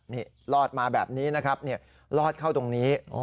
นี่ลอดมาแบบนี้นะครับลอดเข้าตรงนี้